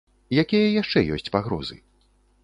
Якія яшчэ ёсць пагрозы?